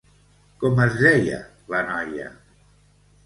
Com es deia la noia?